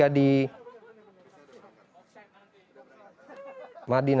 ya tidak dapat di tipu